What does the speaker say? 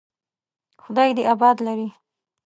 خدای دې آباد لري.